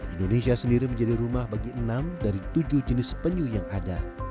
indonesia sendiri menjadi rumah bagi enam dari tujuh jenis penyu yang ada